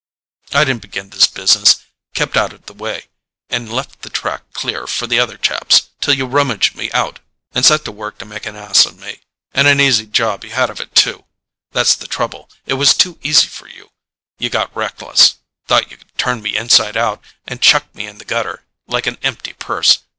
I didn't begin this business—kept out of the way, and left the track clear for the other chaps, till you rummaged me out and set to work to make an ass of me—and an easy job you had of it, too. That's the trouble—it was too easy for you—you got reckless—thought you could turn me inside out, and chuck me in the gutter like an empty purse.